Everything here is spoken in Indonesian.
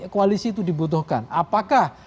koalisi itu dibutuhkan apakah